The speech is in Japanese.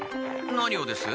何をです？